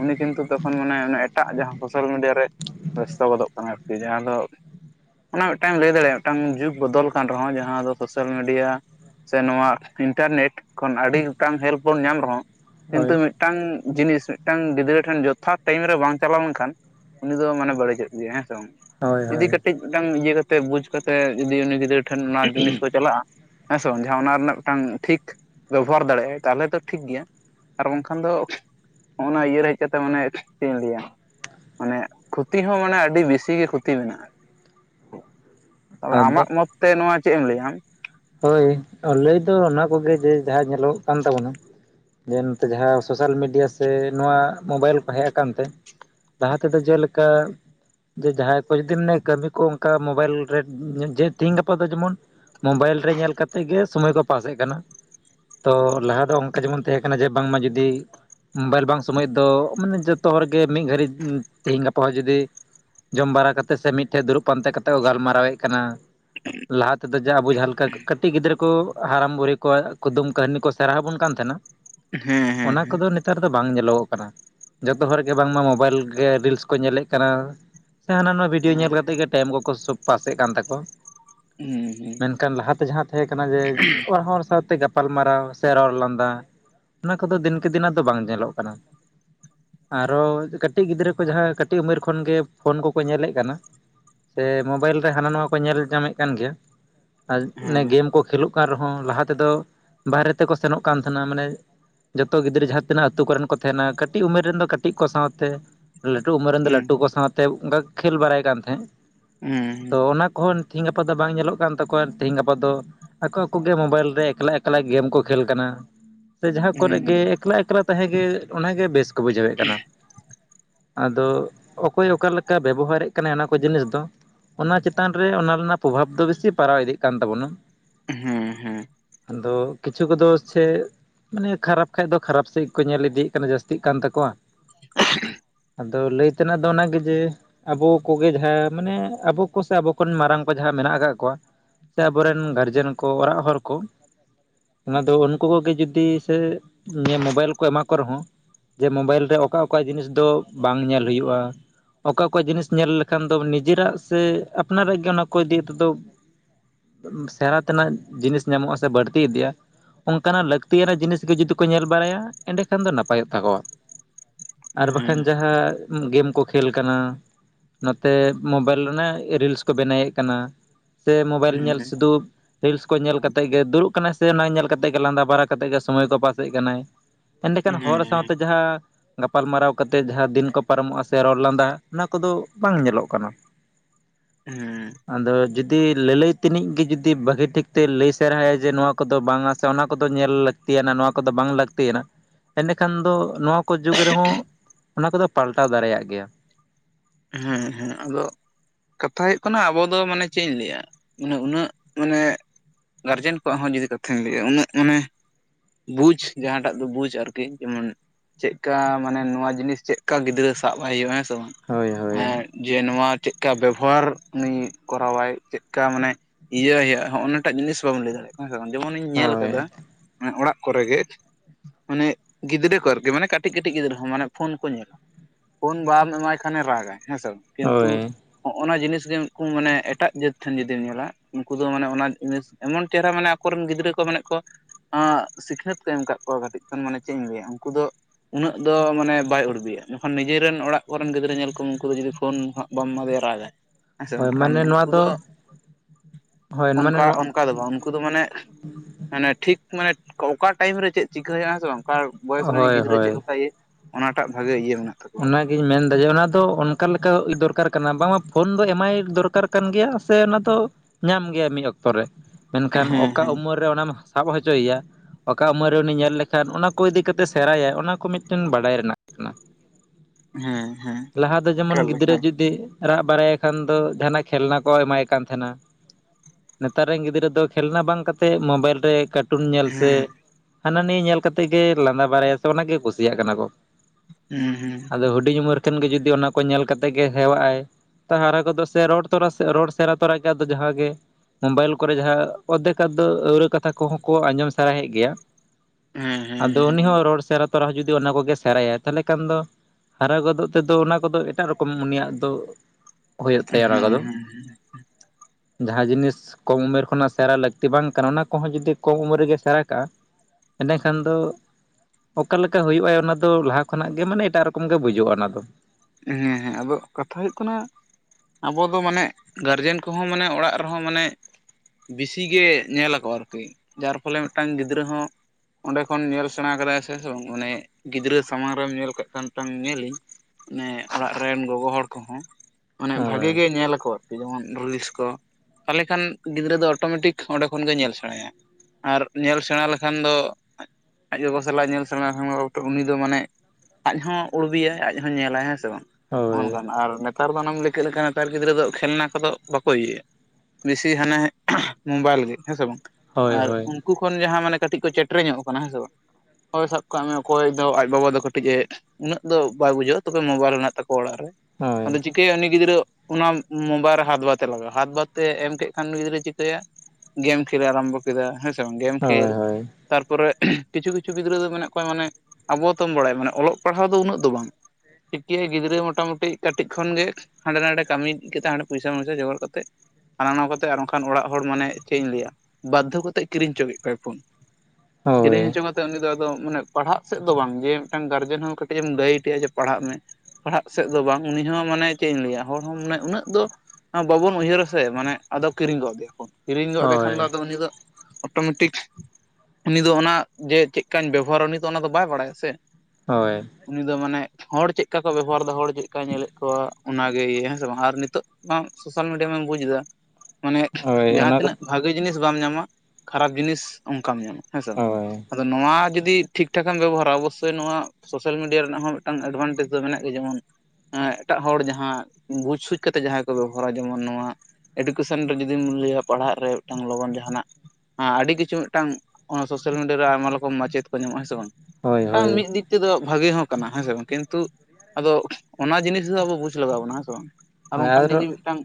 ᱩᱱᱤ ᱠᱤᱱᱛᱩ ᱛᱚᱠᱷᱚᱱ ᱢᱟᱱᱮ ᱮᱴᱟᱜ ᱡᱟᱦᱟᱸ ᱥᱳᱥᱟᱞ ᱢᱤᱰᱤᱭᱟ ᱨᱮ ᱵᱮᱥᱛᱚ ᱜᱚᱫᱚᱜ ᱠᱟᱱᱟᱭ ᱟᱨᱠᱤ ᱡᱟᱦᱟᱸ ᱫᱚ ᱚᱱᱟ ᱢᱮᱫ ᱴᱟᱝ ᱮᱢ ᱞᱟᱹᱭ ᱫᱟᱲᱮᱭᱟᱜ-ᱟ ᱢᱮᱫᱴᱟᱝ ᱡᱩᱜᱽ ᱵᱚᱫᱚᱞ ᱠᱟᱱ ᱨᱮᱦᱚᱸ ᱡᱟᱦᱟᱸ ᱫᱚ ᱥᱳᱥᱟᱞ ᱢᱤᱰᱤᱭᱟᱼᱼ ᱥᱮ ᱱᱚᱣᱟ ᱤᱱᱴᱟᱨᱱᱮᱴ ᱠᱷᱚᱱ ᱟᱰᱤ ᱜᱚᱴᱟᱝ ᱦᱮᱞᱯ ᱵᱚᱱ ᱧᱟᱢ ᱨᱮᱦᱚᱸ ᱦᱳᱭ ᱠᱤᱱᱛᱩ ᱢᱤᱫᱼᱼ ᱴᱟᱝ ᱡᱤᱱᱤᱥ ᱢᱤᱫᱴᱟᱝ ᱜᱤᱫᱽᱨᱟᱹ ᱴᱷᱮᱱ ᱡᱚᱛᱷᱟᱛ ᱴᱟᱭᱤᱢ ᱨᱮ ᱵᱟᱝ ᱪᱟᱞᱟᱣ ᱞᱮᱱᱠᱷᱟᱱᱼᱼ ᱩᱱᱤ ᱫᱚ ᱢᱟᱱᱮ ᱵᱟᱹᱲᱤᱡᱚᱜ ᱜᱮᱟᱭ ᱦᱮᱸ ᱥᱮ ᱵᱟᱝ᱾ ᱦᱳᱭ ᱡᱩᱫᱤ ᱦᱳᱭ ᱠᱟᱹᱴᱤᱡ ᱢᱤᱫᱴᱟᱝ ᱤᱭᱟᱹ ᱠᱟᱛᱮᱜ ᱵᱩᱡᱽ ᱠᱟᱛᱮᱜ ᱡᱩᱫᱤ ᱩᱱᱤ ᱜᱤᱫᱽᱨᱟᱹ ᱴᱷᱮᱱ ᱚᱱᱟ ᱡᱤᱱᱤᱥ ᱠᱚ ᱪᱟᱞᱟᱜ-ᱟ᱾ ᱦᱮᱸᱥᱮ ᱵᱟᱝ ᱡᱟᱦᱟᱸ ᱚᱱᱟ ᱨᱮᱱᱟᱜ ᱢᱤᱫ ᱴᱟᱝ ᱴᱷᱤᱠ ᱵᱮᱵᱚᱦᱟᱨ ᱫᱟᱲᱮᱜ ᱟᱭ ᱛᱟᱦᱚᱞᱮ ᱛᱚ ᱴᱷᱤᱠ ᱜᱮᱭᱟ᱾ ᱟᱨ ᱵᱟᱝᱠᱷᱟᱱ ᱫᱚ ᱦᱚᱸᱜ-ᱚᱱᱟ ᱤᱭᱟᱹ ᱨᱮ ᱦᱮᱡ ᱠᱟᱛᱮᱜ ᱢᱟᱱᱮ ᱪᱮᱜ ᱤᱧ ᱞᱟᱹᱭᱟ᱾ ᱢᱟᱱᱮ ᱠᱷᱚᱛᱤ ᱦᱚᱸ ᱢᱟᱱᱮ ᱟᱹᱰᱤ ᱵᱤᱥᱤ ᱜᱮ ᱠᱷᱚᱛᱤ ᱢᱤᱱᱟᱜ-ᱟ᱾ ᱛᱟᱦᱚᱞᱮ ᱟᱫᱚ ᱟᱢᱟᱜ ᱢᱚᱛ ᱛᱮ ᱱᱩᱶᱟ ᱪᱮᱫ ᱮᱢ ᱞᱟᱹᱭᱟ ᱟᱢ? ᱦᱳᱭ ᱚ ᱞᱟᱹᱭ ᱫᱚ ᱚᱱᱟ ᱠᱚᱜᱮ ᱡᱮ ᱡᱟᱦᱟᱸ ᱧᱮᱞᱚᱜ ᱠᱟᱱ ᱛᱟᱵᱚᱱᱟ᱾ ᱡᱮ ᱱᱚᱛᱮ ᱡᱟᱦᱟᱸ ᱥᱳᱥᱟᱞ ᱢᱤᱰᱤᱭᱟ ᱥᱮ ᱱᱚᱶᱟ ᱢᱳᱵᱟᱭᱤᱞ ᱠᱚ ᱦᱮᱡ ᱟᱠᱟᱱ ᱛᱮ᱾ ᱞᱟᱦᱟ ᱛᱮᱫᱚ ᱡᱮ ᱞᱮᱠᱟᱼᱼ ᱡᱮ ᱡᱟᱦᱟᱸᱭ ᱠᱚ ᱡᱩᱫᱤ ᱱᱮ ᱠᱟᱹᱢᱤ ᱠᱚ ᱚᱱᱠᱟ ᱢᱳᱵᱟᱭᱤᱞ ᱨᱮ ᱧᱮ ᱡᱮ ᱛᱤᱦᱤᱧ ᱜᱟᱯᱟ ᱫᱚ ᱡᱮᱢᱚᱱᱼᱼ ᱵᱟᱭᱤᱞ ᱨᱮ ᱧᱮᱞ ᱠᱟᱛᱮᱜ ᱜᱮ ᱥᱚᱢᱟᱹᱭ ᱠᱚ ᱯᱟᱥᱮᱜ ᱠᱟᱱᱟ᱾ ᱛᱚ ᱞᱟᱦᱟ ᱫᱚ ᱚᱱᱠᱟ ᱡᱮᱢᱚᱱ ᱛᱟᱦᱮᱸ ᱠᱟᱱᱟ ᱡᱮ ᱵᱟᱝ ᱢᱟ ᱡᱩᱫᱤᱼᱼ ᱢᱳᱵᱟᱭᱤᱞ ᱵᱟᱝ ᱥᱚᱢᱟᱹᱭ ᱫᱚ ᱢᱟᱱᱮ ᱡᱚᱛᱚ ᱦᱚᱲ ᱜᱮ ᱢᱤᱫ ᱜᱷᱟᱹᱨᱤᱡ ᱛᱤᱦᱤᱧ ᱜᱟᱯᱟ ᱦᱚᱸ ᱡᱩᱫᱤᱼᱼ ᱡᱚᱢ ᱵᱟᱨᱟ ᱠᱟᱛᱮᱜ ᱥᱮ ᱢᱤᱫ ᱴᱷᱮᱱ ᱫᱩᱨᱩᱯ ᱯᱟᱱᱛᱮ ᱠᱟᱛᱮᱜ ᱠᱚ ᱜᱟᱞᱢᱟᱨᱟᱣᱮᱜ ᱠᱟᱱᱟ᱾ ᱞᱟᱦᱟ ᱛᱮᱫᱚ ᱡᱮ ᱟᱵᱩ ᱡᱟᱦᱟᱸ ᱞᱮᱠᱟᱼᱼ ᱠᱟᱹᱴᱤᱡ ᱜᱤᱫᱽᱨᱟᱹ ᱠᱚ ᱦᱟᱲᱟᱢ ᱵᱩᱨᱦᱤ ᱠᱚ ᱠᱩᱫᱩᱢ ᱠᱟᱹᱦᱱᱤ ᱠᱚ ᱥᱮᱸᱨᱟ ᱦᱟᱵᱩᱱ ᱠᱟᱱ ᱛᱟᱦᱮᱱᱟ᱾ ᱦᱮᱸ ᱦᱮᱸ ᱚᱱᱟ ᱠᱚᱫᱚ ᱱᱮᱛᱟᱨ ᱫᱚ ᱵᱟᱝ ᱧᱮᱞᱚᱜᱚᱜ ᱠᱟᱱᱟ᱾ ᱡᱚᱛᱚ ᱦᱚᱨ ᱜᱮ ᱵᱟᱝ ᱢᱟ ᱢᱳᱵᱟᱭᱤᱞ ᱨᱮ ᱨᱤᱞᱥ ᱠᱚ ᱧᱮᱞᱮᱜ ᱠᱟᱱᱟ ᱥᱮ ᱦᱟᱸᱱᱟ ᱱᱚᱣᱟᱼᱼ ᱵᱷᱤᱰᱭᱳ ᱧᱮᱞ ᱠᱟᱛᱮᱜ ᱜᱮ ᱴᱟᱭᱤᱢ ᱠᱚᱠᱚ ᱥᱳᱯ ᱯᱟᱥᱮᱜ ᱠᱟᱱ ᱛᱟᱠᱚᱣᱟ᱾ ᱦᱩᱸ ᱦᱩᱸ᱾ ᱢᱮᱱᱠᱷᱟᱱ ᱞᱟᱦᱟᱛᱮ ᱡᱟᱦᱟᱸ ᱛᱮᱦᱮᱸ ᱠᱟᱱᱟ ᱡᱮ ᱚᱲᱟᱜ ᱦᱚᱲ ᱥᱟᱶᱛᱮ ᱜᱟᱯᱟᱞ ᱢᱟᱨᱟᱣ ᱥᱮ ᱨᱚᱲ ᱞᱟᱸᱫᱟ᱾ ᱚᱱᱟ ᱠᱚᱫᱚ ᱫᱤᱱ ᱠᱮ ᱫᱤᱱᱟᱜ ᱫᱚ ᱵᱟᱝ ᱧᱮᱞᱚᱜ ᱠᱟᱱᱟ᱾ ᱟᱨᱚ ᱠᱟᱹᱴᱤᱡ ᱜᱤᱫᱽᱨᱟᱹ ᱠᱚ ᱡᱟᱦᱟᱸᱭ ᱠᱟᱹᱴᱤᱡ ᱩᱢᱮᱨ ᱠᱷᱚᱱ ᱜᱮ ᱯᱷᱳᱱ ᱠᱚᱠᱚ ᱧᱮᱞᱮᱜ ᱠᱟᱱᱟ᱾ ᱥᱮ ᱢᱳᱵᱟᱭᱤᱞ ᱨᱮ ᱦᱟᱱᱟ ᱱᱟᱶᱟ ᱠᱚ ᱧᱮᱞ ᱧᱟᱢᱮᱜ ᱠᱟᱱ ᱜᱮᱭᱟ ᱟᱨᱼᱼ ᱦᱮᱸ ᱠᱚ ᱠᱷᱮᱞᱳᱜ ᱠᱟᱱ ᱨᱮᱦᱚᱸ ᱞᱟᱦᱟ ᱛᱮᱫᱚ ᱵᱟᱦᱨᱮ ᱛᱮᱠᱚ ᱥᱮᱱᱚᱜ ᱠᱟᱱ ᱛᱟᱦᱮᱱᱟ ᱢᱟᱱᱮᱼᱼ ᱡᱚᱛᱚ ᱜᱤᱫᱽᱨᱟᱹ ᱡᱟᱦᱟᱸ ᱛᱤᱱᱟᱹᱜ ᱟᱛᱩ ᱠᱚᱨᱮᱱ ᱠᱚ ᱛᱮᱦᱮᱱᱟ ᱠᱟᱹᱴᱤᱡ ᱩᱢᱮᱨ ᱨᱮᱱ ᱫᱚ ᱠᱟᱴᱤᱡ ᱠᱚ ᱥᱟᱶᱛᱮ᱾ ᱞᱟᱹᱴᱩ ᱩᱢᱮᱨ ᱨᱮᱱ ᱫᱚ ᱦᱩᱸ ᱞᱟᱹᱴᱩ ᱠᱚ ᱥᱟᱶᱛᱮ ᱚᱱᱠᱟ ᱠᱷᱮᱞ ᱵᱟᱲᱟᱭ ᱠᱟᱱ ᱛᱩᱦᱮᱸᱜ ᱛᱚ ᱦᱩᱸ ᱚᱱᱟ ᱠᱚᱦᱚᱸ ᱛᱤᱦᱤᱧ ᱜᱟᱯᱟ ᱫᱚ ᱵᱟᱝ ᱧᱮᱞᱚᱜ ᱠᱟᱱ ᱛᱟᱠᱚᱣᱟ᱾ ᱫᱚ ᱟᱠᱚ ᱟᱠᱚ ᱜᱮ ᱢᱳᱵᱟᱭᱤᱞ ᱨᱮ ᱮᱠᱞᱟ ᱮᱠᱞᱟ ᱜᱮᱢ ᱠᱚ ᱠᱷᱮᱞ ᱠᱟᱱᱟ᱾ ᱥᱮ ᱡᱟᱦᱟᱸ ᱦᱮᱸ ᱦᱩᱸ ᱠᱚᱨᱮ ᱜᱮ ᱦᱩᱸ ᱮᱠᱞᱟ ᱮᱠᱞᱟ ᱛᱟᱦᱮᱸ ᱜᱮ ᱚᱱᱟ ᱜᱮ ᱵᱮᱥ ᱠᱚ ᱵᱩᱡᱷᱟᱹᱣᱮᱜ ᱠᱟᱱᱟ᱾ ᱟᱫᱚ ᱚᱠᱚᱭ ᱚᱠᱟ ᱞᱮᱠᱟ ᱵᱮᱵᱚᱦᱟᱨᱮᱜ ᱠᱟᱱᱟ ᱚᱱᱟ ᱠᱚ ᱡᱤᱱᱤᱥ ᱫᱚ᱾ ᱚᱱᱟ ᱪᱮᱛᱟᱱ ᱨᱮ ᱚᱱᱟ ᱨᱮᱱᱟᱜ ᱯᱨᱚᱵᱷᱟᱵᱽ ᱫᱚ ᱵᱮᱥᱤ ᱯᱟᱨᱟᱣ ᱤᱫᱤᱜ ᱠᱟᱱ ᱛᱟᱵᱚᱱᱟ᱾ ᱦᱩᱸ ᱦᱩᱸ᱾ ᱟᱫᱚ ᱠᱤᱪᱷᱩ ᱠᱚᱫᱚ ᱥᱮᱼᱼ ᱢᱟᱱᱮ ᱠᱷᱟᱨᱟᱯ ᱠᱷᱟᱡ ᱫᱚ ᱠᱷᱟᱨᱟᱯ ᱥᱮᱜ ᱠᱚ ᱧᱮᱞ ᱤᱫᱤᱭᱮᱜ ᱠᱟᱱᱟ ᱡᱟᱹᱥᱛᱤᱜ ᱠᱟᱱ ᱛᱟᱠᱚᱣᱟ᱾ ᱟᱫᱚ ᱞᱟᱹᱭ ᱛᱮᱱᱟᱜ ᱫᱚ ᱚᱱᱟ ᱜᱮ ᱡᱮᱼᱼ ᱟᱵᱚ ᱠᱚᱜᱮ ᱡᱟᱦᱟᱸ ᱢᱟᱱᱮ ᱟᱵᱚ ᱠᱚᱥᱮ ᱟᱵᱚ ᱠᱚ ᱨᱮᱱ ᱢᱟᱨᱟᱝ ᱠᱚ ᱡᱟᱦᱟᱸ ᱢᱮᱱᱟᱜ ᱟᱠᱟᱜ ᱠᱚᱣᱟ᱾ ᱥᱮ ᱟᱵᱚ ᱨᱮᱱ ᱜᱟᱨᱡᱮᱱ ᱠᱚ ᱚᱨᱟᱜ ᱦᱚᱨ ᱠᱚᱼᱼ ᱚᱱᱟ ᱫᱚ ᱩᱱᱠᱩ ᱠᱚᱜᱮ ᱡᱩᱫᱤ ᱥᱮ ᱱᱤᱭᱟᱹ ᱢᱳᱵᱟᱭᱤᱞ ᱠᱚ ᱮᱢᱟ ᱠᱚ ᱨᱮᱦᱚᱼᱼ ᱡᱮ ᱢᱳᱵᱟᱭᱤᱞ ᱨᱮ ᱚᱠᱟ ᱚᱠᱟ ᱡᱤᱱᱤᱥ ᱫᱚ ᱵᱟᱝ ᱧᱮᱞ ᱦᱩᱭᱩᱜᱼᱟ ᱚᱠᱟ ᱚᱠᱟ ᱡᱤᱱᱤᱥ ᱧᱮᱞ ᱞᱮᱠᱷᱟᱱ ᱫᱚ ᱱᱤᱡᱮᱨᱟᱜ ᱥᱮ ᱟᱯᱱᱟᱨᱟᱜ ᱜᱮ ᱚᱱᱟ ᱠᱚ ᱤᱫᱤ ᱭᱟᱛᱮᱜ ᱫᱚ᱾ ᱥᱮᱸᱨᱟ ᱛᱮᱱᱟᱜ ᱡᱤᱱᱤᱥ ᱧᱟᱢᱚᱜ-ᱟ ᱥᱮ ᱵᱟᱹᱲᱛᱤ ᱤᱫᱤᱜ-ᱟ᱾ ᱚᱱᱠᱟ ᱱᱟᱜ ᱞᱟᱹᱠᱛᱤ ᱭᱟᱱᱟᱜ ᱡᱤᱱᱤᱥ ᱜᱮ ᱡᱩᱫᱤ ᱠᱚ ᱧᱮᱞ ᱵᱟᱲᱟᱭᱟ ᱮᱸᱰᱮ ᱠᱷᱟᱱ ᱫᱚ ᱱᱟᱯᱟᱭᱚᱜ ᱛᱟᱠᱚᱣᱟ᱾ ᱟᱨ ᱵᱟᱠᱷᱟᱱ ᱦᱮᱸ ᱡᱟᱦᱟᱸ ᱩᱸ ᱜᱮᱢ ᱠᱚ ᱠᱷᱮᱞ ᱠᱟᱱᱟ᱾ ᱱᱚᱛᱮ ᱢᱳᱵᱟᱭᱤᱞ ᱨᱮᱱᱟᱜ ᱨᱤᱞᱥ ᱠᱚ ᱵᱮᱱᱟᱣᱮᱜ ᱠᱟᱱᱟ ᱥᱮ ᱢᱳᱵᱟᱭᱤᱞ ᱦᱮᱸ ᱧᱮᱞ ᱦᱮᱸ ᱥᱩᱫᱩ᱾ ᱨᱤᱞᱥ ᱠᱚ ᱧᱮᱞ ᱠᱟᱛᱮᱜ ᱜᱮ ᱫᱩᱲᱩᱵ ᱠᱟᱱᱟᱭ ᱥᱮ ᱚᱱᱟ ᱧᱮᱞ ᱠᱟᱛᱮᱜ ᱜᱮ ᱞᱟᱸᱫᱟ ᱵᱟᱨᱟ ᱠᱟᱛᱮᱜ ᱜᱮ ᱥᱚᱢᱚᱭ ᱠᱚ ᱯᱟᱥᱮᱜ ᱠᱟᱱᱟᱭ᱾ ᱦᱚᱲ ᱥᱟᱶᱛᱮ ᱡᱟᱦᱟᱸᱼᱼ ᱜᱟᱯᱟᱞ ᱢᱟᱨᱟᱣ ᱠᱟᱛᱮᱜ ᱡᱟᱦᱟᱸ ᱫᱤᱱ ᱠᱚ ᱯᱟᱨᱚᱢᱚᱜ-ᱟ ᱥᱮ ᱨᱚᱲ ᱞᱟᱸᱫᱟ ᱚᱱᱟ ᱠᱚᱫᱚ ᱵᱟᱝ ᱧᱮᱞᱚᱜ ᱠᱟᱱᱟ᱾ ᱦᱮᱸ ᱟᱫᱚ ᱡᱩᱫᱤ ᱞᱟᱹᱞᱟᱹᱭ ᱛᱮᱱᱤᱡ ᱜᱮ ᱡᱩᱫᱤ ᱵᱷᱟᱹᱜᱮ ᱴᱷᱤᱠ ᱛᱮ ᱞᱟᱹᱭ ᱥᱮᱨᱦᱟᱭᱟᱭ ᱡᱮ ᱱᱚᱣᱟ ᱠᱚᱫᱚ ᱵᱟᱝ-ᱟ ᱥᱮ ᱚᱱᱟ ᱠᱚᱫᱚ ᱧᱮᱞ ᱞᱟᱹᱠᱛᱤᱭᱟᱱᱟ ᱱᱚᱣᱟ ᱠᱚᱫᱚ ᱵᱟᱝ ᱞᱟᱹᱠᱛᱤ ᱭᱟᱱᱟ᱾ ᱮᱸᱰᱮᱠᱷᱟᱱ ᱫᱚ ᱱᱚᱣᱟ ᱠᱚ ᱡᱩᱜᱽ ᱨᱮᱦᱚᱸ ᱚᱱᱟ ᱠᱚᱫᱚ ᱯᱟᱞᱴᱟᱣ ᱫᱟᱲᱮᱭᱟᱜ ᱜᱮᱭᱟ ᱦᱮᱸ ᱦᱮᱸ ᱟᱫᱚ ᱠᱟᱛᱷᱟ ᱦᱩᱭᱩᱜ ᱠᱟᱱᱟ᱾ ᱟᱵᱚ ᱫᱚ ᱢᱟᱱᱮ ᱪᱮᱫ ᱤᱧ ᱞᱟᱹᱭᱟ ᱢᱟᱱᱮ ᱩᱱᱟᱹᱜ ᱢᱟᱱᱮ ᱜᱟᱨᱡᱮᱱ ᱠᱚᱣᱟᱜ ᱦᱚᱸ ᱡᱩᱫᱤ ᱠᱟᱛᱷᱟᱧ ᱞᱟᱹᱭ-ᱮᱟ ᱩᱱᱟᱹᱜ ᱢᱟᱱᱮ ᱵᱩᱡᱽ ᱡᱟᱦᱟᱸᱴᱟᱜ ᱫᱚ ᱵᱩᱡᱽ ᱟᱨᱠᱤ ᱡᱮᱢᱚᱱ ᱪᱮᱫᱠᱟ ᱢᱟᱱᱮ ᱱᱚᱣᱟ ᱡᱤᱱᱤᱥ ᱪᱮᱫᱠᱟ ᱜᱤᱫᱽᱨᱟᱹ ᱥᱟᱵ ᱟᱭ ᱦᱩᱭᱩᱜᱼᱟ, ᱦᱮᱸ ᱥᱮ ᱵᱟᱝ ᱦᱳᱭ ᱦᱳᱭ ᱮᱸ ᱡᱮ ᱱᱚᱣᱟ ᱪᱮᱫᱠᱟ ᱵᱮᱵᱚᱦᱟᱨ ᱩᱱᱤ ᱠᱚᱨᱟᱣᱟᱭ ᱪᱮᱫᱠᱟ ᱢᱟᱱᱮ ᱤᱭᱟᱹ ᱦᱩᱭᱩᱜ ᱱᱚᱜᱼ ᱚᱱᱟᱴᱟᱜ ᱡᱤᱱᱤᱥ ᱵᱟᱵᱚᱱ ᱞᱟᱹᱭ ᱫᱟᱲᱮᱭᱟᱜ ᱠᱟᱱᱟ, ᱦᱮᱸ ᱥᱮ ᱵᱟᱝ ᱡᱮᱢᱚᱱᱤᱧ ᱧᱮᱞ ᱦᱳᱭ ᱟᱠᱟᱫᱟ ᱚᱲᱟᱜ ᱠᱚᱨᱮ ᱜᱮ ᱢᱟᱱᱮ ᱜᱤᱫᱽᱨᱟᱹ ᱠᱚ ᱟᱨᱠᱤ ᱢᱟᱱᱮ ᱠᱟᱹᱴᱤᱡ ᱠᱟᱹᱴᱤᱡ ᱜᱤᱫᱽᱨᱟᱹ ᱦᱚᱸ ᱢᱟᱱᱮ ᱯᱷᱳᱱ ᱠᱚ ᱧᱮᱞᱟ᱾ ᱯᱷᱳᱱ ᱵᱟᱢ ᱮᱢᱟᱭ ᱠᱷᱟᱱ ᱠᱷᱟᱱᱮ ᱨᱟᱜᱟᱭ ᱦᱮᱸᱥᱮ ᱵᱟᱝ ᱠᱤᱱᱛᱩ ᱦᱳᱭ ᱱᱚᱜᱼᱚᱱᱟ ᱡᱤᱱᱤᱥ ᱜᱮ ᱢᱟᱱᱮ ᱮᱴᱟᱜ ᱡᱟᱹᱛ ᱴᱷᱮᱱ ᱡᱩᱫᱤᱢ ᱧᱮᱞᱟ᱾ ᱩᱱᱠᱩ ᱫᱚ ᱢᱟᱱᱮ ᱚᱱᱟ ᱡᱤᱱᱤᱥ ᱮᱢᱚᱱ ᱪᱮᱦᱮᱨᱟ ᱢᱟᱱᱮ ᱟᱠᱚ ᱨᱮᱱ ᱜᱤᱫᱽᱨᱟᱹ ᱠᱚ ᱢᱮᱱᱟᱜ ᱠᱚᱣᱟ᱾ ᱚᱸ ᱥᱤᱠᱷᱱᱟᱹᱛ ᱠᱚ ᱮᱢ ᱠᱟᱫ ᱠᱚᱣᱟ ᱠᱟᱹᱴᱤᱡ, ᱠᱷᱚᱱ ᱢᱟᱱᱮ ᱪᱮᱫ ᱤᱧ ᱞᱟᱹᱭᱟ ᱩᱱᱠᱩ ᱫᱚ ᱩᱱᱟᱹᱜ ᱫᱚ ᱢᱟᱱᱮ ᱵᱟᱭ ᱩᱨᱵᱤᱭᱟ ᱡᱚᱠᱷᱚᱱ ᱱᱤᱡᱮᱨ ᱨᱮᱱ ᱚᱲᱟᱜ ᱠᱚ ᱨᱮᱱ ᱜᱤᱫᱽᱨᱟᱹ ᱧᱮᱞ ᱠᱚ ᱩᱱᱠᱩ ᱫᱚ ᱡᱩᱫᱤ ᱯᱷᱳᱱ ᱵᱟᱢ ᱮᱢᱟᱫᱮᱭᱟ ᱨᱟᱜᱟᱭ᱾ ᱦᱮᱸ ᱥᱮ ᱦᱳᱭ ᱵᱟᱝᱠᱷᱟᱱ ᱢᱟᱱᱮ ᱱᱚᱣᱟ ᱩᱱᱠᱩ ᱫᱚ ᱦᱳᱭ ᱢᱟᱱᱮ ᱚᱱᱠᱟ ᱱᱚᱣᱟ ᱚᱱᱠᱟ ᱫᱚ ᱵᱟᱝ ᱩᱱᱠᱩ ᱫᱚ ᱢᱟᱱᱮ ᱢᱟᱱᱮ ᱴᱷᱤᱠ ᱢᱟᱱᱮ ᱚᱠᱟ ᱴᱟᱭᱤᱢ ᱨᱮ ᱪᱮᱫ ᱪᱤᱠᱟᱹᱭ ᱦᱩᱭᱩᱜᱼᱟ ᱦᱮᱸ ᱥᱮ ᱵᱟᱝ ᱚᱠᱟ ᱵᱚᱭᱮᱥ ᱨᱮᱱ ᱦᱳᱭ ᱜᱤᱫᱽᱨᱟᱹ ᱪᱮᱫ ᱦᱳᱭ ᱞᱮᱠᱟ ᱮᱭᱮ᱾ ᱚᱱᱟ ᱴᱟᱜ ᱵᱷᱟᱜᱮ ᱤᱭᱟᱹ ᱦᱩᱱᱟᱹᱜᱽ ᱚᱱᱟᱜᱤᱧ ᱢᱮᱱᱫᱟ ᱡᱮ ᱚᱱᱟ ᱫᱚ ᱚᱱᱠᱟ ᱞᱮᱠᱟ ᱫᱚᱨᱠᱟᱨ ᱠᱟᱱᱟ ᱵᱟᱝᱢᱟ ᱯᱷᱳᱱ ᱫᱚ ᱮᱢᱟᱭ ᱫᱚᱨᱠᱟᱨ ᱠᱟᱱ ᱜᱮᱭᱟ ᱥᱮ ᱚᱱᱟ ᱫᱚ ᱧᱟᱢ ᱜᱮᱭᱟ ᱢᱤᱫ ᱚᱠᱛᱚ ᱨᱮ ᱢᱮᱱᱠᱷᱟᱱ ᱦᱮᱸ ᱚᱠᱟ ᱦᱮᱸ ᱩᱢᱮᱨ ᱨᱮ ᱚᱱᱟᱢ ᱥᱟᱵ ᱦᱚᱪᱚᱤᱭᱟ, ᱚᱠᱟ ᱩᱢᱟᱹᱨ ᱨᱮ ᱩᱱᱤ ᱧᱮᱞ ᱞᱮᱠᱷᱟᱱ ᱚᱱᱟ ᱠᱚ ᱤᱫᱤ ᱠᱟᱛᱮ ᱥᱮᱲᱟᱭᱟᱭ ᱚᱱᱟ ᱠᱚ ᱢᱤᱫᱴᱮᱱ ᱵᱟᱰᱟᱭ ᱨᱮᱱᱟᱜ ᱠᱟᱱᱟ ᱦᱮᱸ ᱦᱮᱸ ᱞᱟᱦᱟ ᱫᱚ ᱡᱮᱢᱚᱱ ᱮᱠᱟᱞ ᱜᱤᱫᱽᱨᱟᱹ ᱮᱠᱟᱞ ᱡᱩᱫᱤ ᱨᱟᱜ ᱵᱟᱲᱟᱭᱟᱭ ᱠᱷᱟᱱ ᱫᱚ ᱡᱟᱦᱟᱱᱟᱜ ᱠᱷᱮᱞᱱᱟ ᱠᱚ ᱮᱢᱟᱭ ᱠᱟᱱ ᱛᱟᱦᱮᱱᱟ ᱱᱮᱛᱟᱨ ᱨᱮᱱ ᱜᱤᱫᱽᱨᱟᱹ ᱫᱚ ᱠᱷᱮᱞᱱᱟ ᱵᱟᱝ ᱠᱟᱛᱮᱫ ᱢᱳᱵᱟᱭᱤᱞ ᱨᱮ ᱠᱟᱨ ᱴᱩᱱ ᱧᱮᱞ ᱥᱮ, ᱦᱩᱸ ᱦᱟᱱᱟ ᱱᱤᱭᱟᱹ ᱧᱮᱞ ᱠᱟᱛᱮ ᱜᱮ ᱞᱟᱸᱫᱟ ᱵᱟᱲᱟᱭᱟ ᱥᱮ ᱚᱱᱟ ᱜᱮ ᱠᱩᱥᱤᱭᱟᱜ ᱠᱟᱱᱟ ᱠᱚ᱾ ᱦᱩᱸ ᱦᱩᱸ ᱟᱫᱚ ᱦᱩᱰᱤᱧ ᱩᱢᱮᱨ ᱠᱷᱚᱱ ᱜᱮ ᱡᱩᱫᱤ ᱚᱱᱟ ᱠᱚ ᱧᱮᱞ ᱠᱟᱛᱮ ᱜᱮ ᱦᱮᱣᱟᱜᱼ ᱟᱭ ᱦᱟᱨᱟ ᱠᱚᱫᱚ ᱥᱮ ᱨᱚᱲ ᱛᱚᱨᱟ ᱨᱚᱲ ᱥᱮᱲᱟ ᱛᱚᱨᱟ ᱜᱮ ᱟᱫᱚ ᱡᱟᱦᱟᱸ ᱜᱮ ᱢᱳᱵᱟᱭᱤᱞ ᱠᱚᱨᱮ ᱡᱟᱦᱟᱸ ᱚᱫᱫᱷᱮᱠᱟᱜ ᱟᱹᱣᱨᱟᱹ ᱠᱟᱛᱷᱟ ᱠᱚᱦᱚᱸ ᱠᱚ ᱟᱸᱡᱚᱢ ᱥᱮᱲᱟᱭᱮᱫ ᱜᱮᱭᱟ᱾ ᱦᱩᱸ ᱦᱩᱸ ᱦᱩᱸ ᱟᱫᱚ ᱩᱱᱤ ᱦᱚᱸ ᱨᱚᱲ ᱥᱮᱨᱟ ᱛᱚᱨᱟ ᱡᱩᱫᱤ ᱚᱱᱟ ᱠᱚᱜᱮ ᱥᱮᱲᱟᱭᱟ, ᱛᱟᱦᱚᱞᱮ ᱠᱷᱟᱱ ᱫᱚ ᱦᱟᱨᱟ ᱜᱚᱫᱚᱜ ᱛᱮᱫᱚ ᱚᱱᱟ ᱠᱚᱫᱚ ᱮᱴᱟᱜ ᱨᱚᱠᱚᱢ ᱩᱱᱤᱭᱟᱜ ᱫᱚ ᱦᱳᱭᱩᱜ ᱛᱟᱭᱟ ᱦᱩᱸ ᱚᱱᱟ ᱦᱩᱸ ᱠᱚᱫᱚ᱾ ᱦᱩᱸ ᱦᱩᱸ ᱡᱟᱦᱟᱸ ᱡᱤᱱᱤᱥ ᱠᱚᱢ ᱩᱢᱮᱨ ᱠᱷᱚᱱᱟᱜ ᱥᱮᱸᱲᱟ ᱞᱟᱹᱠᱛᱤ ᱵᱟᱝ ᱠᱟᱱᱟ ᱚᱱᱟ ᱠᱚᱦᱚᱸ ᱡᱩᱫᱤ ᱠᱚᱢ ᱩᱢᱮᱨ ᱨᱮᱜᱮ ᱥᱮᱲᱸᱟ ᱠᱟᱜᱼᱟ ᱮᱸᱰᱮᱠᱷᱟᱱ ᱫᱚ, ᱚᱠᱟ ᱞᱮᱠᱟ ᱦᱩᱭᱩᱜᱼᱟ ᱚᱱᱟ ᱫᱚ ᱞᱟᱦᱟ ᱠᱷᱚᱱᱟᱜ ᱜᱮ ᱢᱟᱱᱮ ᱮᱴᱟᱜ ᱨᱚᱠᱚᱢ ᱠᱚᱢ ᱜᱮ ᱵᱩᱡᱩᱜᱼᱟ ᱚᱱᱟ ᱫᱚ ᱦᱮᱸ ᱦᱮᱸ, ᱟᱫᱚ ᱠᱟᱛᱷᱟ ᱦᱩᱭᱩᱜ ᱠᱟᱱᱟ᱾ ᱟᱵᱚᱫᱚ ᱢᱟᱱᱮ ᱜᱟᱨᱡᱮᱱ ᱠᱚᱦᱚᱸ ᱢᱟᱱᱮ ᱚᱲᱟᱜ ᱨᱮᱦᱚᱸ ᱢᱟᱱᱮ ᱵᱤᱥᱤ ᱜᱮ ᱧᱮᱞᱟ ᱠᱚ ᱟᱨᱠᱤ ᱡᱟᱨ ᱯᱷᱚᱞᱮ ᱢᱤᱫᱴᱟᱱ ᱜᱤᱫᱽᱨᱟᱹ ᱦᱚᱸ ᱚᱸᱰᱮ ᱠᱷᱚᱱ ᱧᱮᱞ ᱥᱮᱲᱟ ᱟᱠᱟᱫᱟᱭ ᱥᱮ ᱥᱮ ᱵᱟᱝ ᱚᱱᱮ ᱜᱤᱫᱽᱨᱟᱹ ᱥᱟᱢᱟᱝ ᱨᱮᱢ ᱧᱮᱞ ᱠᱟᱜ [unintelligible] ᱧᱮᱞᱤᱧ ᱮᱸ ᱚᱲᱟᱜ ᱨᱮᱱ ᱜᱚᱜᱚ ᱦᱚᱲ ᱠᱚᱦᱚᱸ, ᱢᱟᱱᱮ ᱵᱷᱟᱜᱮ ᱦᱳᱭ ᱜᱮ ᱧᱮᱞᱟᱠᱚ᱾ ᱡᱮᱢᱚᱱ ᱨᱤᱞᱥ ᱠᱚ ᱛᱟᱦᱚᱞᱮ ᱠᱷᱟᱱ ᱜᱤᱫᱽᱨᱟᱹ ᱫᱚ ᱚᱴᱳᱢᱮᱴᱤᱠ ᱚᱸᱰᱮ ᱠᱷᱚᱱ ᱜᱮ ᱧᱮᱞ ᱥᱮᱸᱲᱟᱭᱟᱭ ᱟᱨ ᱧᱮᱞ ᱥᱮᱸᱲᱟ ᱞᱮᱠᱷᱟᱱ ᱫᱚ ᱟᱡ ᱜᱚᱜᱚ ᱥᱟᱞᱟᱜ ᱧᱮᱞ ᱥᱮᱸᱲᱟ [unintelligible] ᱩᱱᱤ ᱫᱚ ᱢᱟᱱᱮ ᱟᱡ ᱦᱚᱸ ᱩᱬᱵᱤᱭᱟᱭ ᱟᱡ ᱡᱟᱦᱟᱸ ᱧᱮᱞᱟᱭ ᱦᱮᱸ ᱥᱮ ᱵᱟᱝ ᱱᱚᱜ ᱦᱳᱭ -ᱚᱱᱠᱟᱱ ᱟᱨ ᱱᱮᱛᱟᱨ ᱫᱚ ᱚᱱᱟᱢ ᱞᱟᱹᱭ ᱠᱮᱜ ᱞᱮᱠᱟ ᱱᱮᱛᱟᱨ ᱜᱤᱫᱽᱨᱟᱹ ᱫᱚ ᱠᱷᱮᱞᱱᱟ ᱠᱚᱫᱚ ᱵᱟᱠᱚ ᱤᱭᱟᱹᱭᱟ᱾ ᱵᱮᱥᱤ ᱦᱟᱱᱮ ᱢᱳᱵᱟᱞ ᱜᱮ ᱦᱮᱸ ᱥᱮ ᱵᱟᱝ, ᱦᱳᱭ ᱟᱨ ᱦᱳᱭ ᱩᱱᱠᱩ ᱩᱱᱠᱩ ᱠᱷᱚᱱ ᱡᱟᱦᱟᱸ ᱢᱟᱱᱮ ᱠᱟᱹᱴᱤᱡ ᱠᱚ ᱪᱮᱴᱨᱮ ᱧᱚᱜ ᱠᱟᱱᱟ ᱦᱮᱸ ᱥᱮ ᱵᱟᱝ ᱦᱚᱭ ᱥᱟᱵ ᱠᱟᱜ ᱢᱮ ᱚᱠᱚᱭ ᱫᱚ ᱟᱡ ᱵᱟᱵᱟ ᱫᱚ ᱠᱟᱹᱴᱤᱡ ᱮ ᱩᱱᱟᱹᱜ ᱫᱚ ᱵᱟᱭ ᱵᱩᱡᱷᱟᱹᱣᱟ ᱛᱚᱵᱮ ᱢᱳᱵᱟᱭᱤᱞ ᱦᱮᱱᱥᱜ ᱛᱟᱠᱚᱣᱟ ᱚᱲᱟᱜ ᱨᱮ ᱦᱳᱭ ᱟᱫᱚ ᱪᱤᱠᱟᱹᱭᱟ ᱩᱱᱤ ᱜᱤᱫᱽᱨᱟᱹ᱾ ᱚᱱᱟ ᱢᱳᱵᱟᱭᱤᱞ ᱨᱮ ᱦᱟᱛ ᱵᱟᱛᱮ ᱞᱟᱜᱟᱣᱼᱟ ᱦᱟᱛ ᱵᱟᱫᱛᱮ ᱮᱢ ᱠᱮᱫ ᱠᱷᱟᱱ ᱩᱱᱤ ᱜᱤᱫᱽᱨᱟᱹᱭ ᱪᱤᱠᱟᱹᱭᱟ ᱜᱮᱢ ᱠᱷᱮᱞᱮ ᱟᱨᱚᱢᱵᱷᱚ ᱠᱮᱫᱟ ᱦᱮᱸ ᱥᱮ ᱵᱟᱝ ᱜᱮᱢ ᱦᱳᱭ ᱠᱷᱮᱞ᱾ ᱦᱳᱭ ᱛᱟᱨᱯᱚᱨᱮ ᱠᱤᱪᱷᱩ ᱠᱤᱪᱷᱩ ᱜᱤᱫᱽᱨᱟᱹ ᱫᱚ ᱢᱮᱱᱟᱜ ᱠᱚᱣᱟ ᱢᱟᱱᱮ ᱟᱵᱚ ᱛᱚᱢ ᱵᱟᱲᱟᱭᱟ ᱢᱟᱱᱮ ᱚᱞᱚᱜ ᱯᱟᱲᱦᱟᱣ ᱫᱚ ᱩᱱᱟᱹᱜ ᱫᱚ ᱵᱟᱝ᱾ ᱴᱷᱤᱠ ᱠᱮᱜ ᱮ ᱜᱤᱫᱽᱨᱟᱹ ᱢᱳᱚᱴᱟᱢᱩᱴᱤ ᱠᱟᱹᱴᱤᱡ ᱠᱷᱚᱱ ᱜᱮ ᱦᱟᱸᱰᱮ ᱱᱟᱱᱰᱮ ᱠᱟᱹᱢᱤ ᱠᱮᱫᱟ ᱦᱟᱸᱰᱮ ᱯᱚᱭᱥᱟ ᱢᱚᱭᱥᱟ ᱡᱚᱜᱟᱲ ᱠᱟᱛᱮ᱾ ᱦᱟᱱᱟ ᱱᱚᱣᱟ ᱠᱟᱛᱮ ᱟᱨ ᱚᱱᱠᱟᱱ ᱚᱲᱟᱜ ᱦᱚᱲ ᱢᱟᱱᱮ ᱪᱮᱫ ᱤᱧ ᱞᱟᱹᱭᱟ ᱵᱟᱫᱽᱫᱷᱚ ᱠᱚᱛᱮᱮᱫ ᱠᱤᱨᱤᱧᱪᱚᱭᱮᱜ ᱠᱚᱣᱟᱭ ᱯᱷᱳᱱ ᱠᱤᱨᱤᱧ ᱦᱳᱭ ᱦᱚᱪᱚ ᱠᱟᱛᱮᱮᱫ ᱩᱱᱤ ᱫᱚ ᱟᱫᱚ ᱢᱟᱱᱮ ᱯᱟᱲᱦᱟᱜ ᱥᱮᱫ ᱫᱚ ᱵᱟᱝ ᱡᱮ ᱢᱤᱫᱴᱟᱱ ᱜᱟᱨᱡᱮᱱ ᱦᱚᱸ ᱠᱟᱹᱴᱤᱡ ᱮᱢ ᱜᱟᱹᱭᱤᱰᱮᱭᱟ ᱡᱮ ᱯᱟᱲᱦᱟᱜ ᱢᱮ ᱯᱟᱲᱦᱟᱜ ᱥᱮᱫ ᱫᱚ ᱵᱟᱝ ᱩᱱᱤ ᱦᱚᱸ ᱢᱟᱱᱮ ᱪᱮᱫ ᱤᱧ ᱞᱟᱹᱭᱟ ᱦᱚᱲ ᱦᱚᱸ ᱢᱟᱱᱮ ᱩᱱᱟᱹᱜ ᱫᱚ᱾ ᱵᱟᱵᱚᱱ ᱩᱭᱦᱟᱹᱨᱟ ᱥᱮ ᱢᱟᱱᱮ ᱟᱫᱚ ᱠᱤᱨᱤᱧ ᱜᱚᱫ ᱟᱫᱮᱭᱟᱠᱚ ᱠᱤᱨᱤᱧ ᱜᱚᱫ ᱫᱮᱠᱷᱟᱱ ᱦᱳᱭ ᱫᱚ ᱟᱫᱚ ᱩᱱᱤ ᱫᱚ᱾ ᱚᱴᱳᱢᱮᱴᱤᱠ᱾ ᱩᱱᱤ ᱫᱚ ᱚᱱᱟ ᱡᱮ ᱪᱮᱫᱠᱟᱧ ᱵᱮᱵᱚᱦᱟᱨᱟ ᱩᱱᱤ ᱫᱚ ᱚᱱᱟ ᱫᱚ ᱵᱟᱭ ᱵᱟᱲᱟᱭᱟ ᱥᱮ᱾ ᱦᱳᱭ ᱩᱱᱤ ᱫᱚ ᱢᱟᱱᱮ ᱦᱚᱲ ᱪᱮᱫᱠᱟ ᱠᱚ ᱵᱮᱵᱚᱦᱟᱨ ᱫᱟ ᱦᱚᱲ ᱪᱮᱫᱞᱮᱠᱟᱭ ᱧᱮᱞᱮᱫ ᱠᱚᱣᱟ ᱚᱱᱟᱜᱮ ᱤᱭᱟᱹᱭᱟᱭ ᱦᱮᱸ ᱥᱮ ᱵᱟᱝ ᱟᱨ ᱱᱤᱛᱚᱜ᱾ ᱵᱟᱝ ᱥᱳᱥᱟᱞ ᱢᱤᱰᱤᱭᱟᱢᱟᱢ ᱵᱩᱡᱽ ᱮᱫᱟ᱾ ᱢᱟᱱᱮ ᱦᱳᱭ ᱚᱱᱟ ᱠᱚ ᱡᱟᱦᱟᱸᱛᱤᱤᱱᱟᱹᱜ ᱵᱷᱟᱜᱮ ᱡᱤᱱᱤᱥ ᱵᱟᱢ ᱧᱟᱢᱟ ᱠᱷᱟᱨᱟᱯ ᱡᱤᱱᱤᱥ ᱚᱱᱠᱟᱢ ᱧᱟᱢᱟ᱾ ᱦᱮᱸᱥᱮ ᱦᱳᱭ ᱟᱫᱚ ᱱᱚᱣᱟ ᱡᱩᱫᱤ ᱴᱷᱤᱠ ᱴᱷᱟᱠᱮᱢ ᱵᱮᱵᱚᱦᱟᱨᱟ ᱚᱵᱚᱥᱥᱳᱭ ᱱᱚᱣᱟ ᱥᱳᱥᱟᱞ ᱢᱤᱰᱤᱭᱟ ᱨᱮᱱᱟᱜ ᱦᱚᱸ᱾ ᱢᱤᱫᱴᱟᱝ ᱮᱰᱵᱷᱟᱱᱴᱮᱡᱽ ᱫᱚ ᱢᱮᱱᱟᱜ ᱜᱮᱭᱟ ᱡᱮᱢᱚᱱ ᱟ ᱮᱴᱟᱜ ᱦᱚᱲ ᱡᱟᱦᱟᱸ ᱵᱩᱡᱽ ᱥᱩᱡ ᱠᱟᱛᱮ ᱡᱟᱦᱟᱸᱭ ᱠᱚ ᱵᱮᱵᱚᱦᱟᱨᱟ ᱡᱮᱢᱚᱱ ᱱᱚᱣᱟ᱾ ᱮᱰᱩᱠᱮᱥᱚᱱ ᱨᱮ ᱡᱩᱫᱤᱢ ᱞᱮᱹᱭᱟ ᱯᱟᱲᱦᱟᱜ ᱨᱮ ᱢᱤᱫᱴᱟᱝ ᱞᱚᱜᱚᱱ ᱡᱟᱦᱟᱱᱟᱜ᱾ ᱦᱮᱸ ᱟᱹᱰᱤ ᱠᱤᱪᱷᱩ ᱢᱤᱫᱴᱟᱝ ᱚᱱᱟ ᱥᱳᱥᱟᱞ ᱢᱤᱰᱤᱭᱟ ᱨᱮ ᱟᱭᱢᱟ ᱞᱚᱠᱚᱢ ᱢᱟᱪᱮᱫ ᱠᱚ ᱧᱟᱢᱚᱜᱼᱟ ᱦᱮᱸ ᱥᱮ ᱵᱟᱝ᱾ ᱦᱳᱭ ᱵᱟᱝ ᱦᱳᱭ ᱢᱤᱫ ᱫᱤᱠ ᱛᱮᱫᱚ ᱵᱷᱟᱜᱮ ᱦᱚᱸ ᱠᱟᱱᱟ᱾ ᱦᱮᱸ ᱥᱮ ᱵᱟᱝ ᱠᱤᱱᱛᱩ ᱟᱫᱚ ᱚᱱᱟ ᱡᱤᱱᱤᱥ ᱫᱚ ᱟᱵᱚ ᱵᱩᱡ ᱞᱟᱜᱟᱣᱟ ᱵᱚᱱᱟ ᱦᱮᱸ ᱥᱮ ᱵᱟᱝ᱾ ᱟᱨ ᱚᱱᱠᱟᱱ ᱡᱩᱫᱤ ᱢᱤᱫᱴᱟᱝ᱾